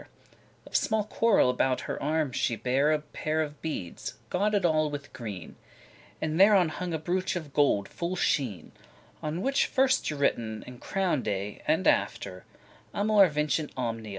*neat Of small coral about her arm she bare A pair of beades, gauded all with green; And thereon hung a brooch of gold full sheen, On which was first y written a crown'd A, And after, *Amor vincit omnia.